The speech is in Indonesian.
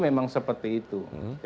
memang seperti itu